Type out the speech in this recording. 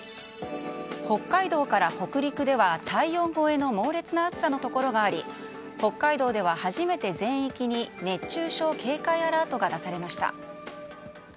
北海道から北陸では体温超えの猛烈な暑さのところがあり北海道では初めて全域に熱中症警戒アラートが出されました。